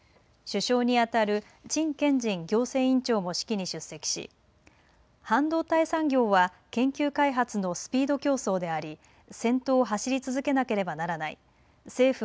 師匠にあたる陳建仁行政院長も式に出席し、半導体産業は研究開発のスピード競争であり先頭を走り続けなければならない。